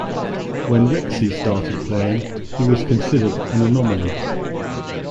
When Rixey started playing, he was considered an "anomaly".